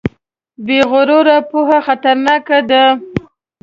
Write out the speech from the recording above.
بې غروره پوهه خطرناکه ده.